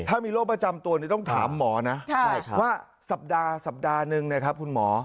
ถ้ามีโรคประจำตัวนี้ต้องถามหมอนะว่าสัปดาห์สัปดาห์นึงนะครับคุณหมอ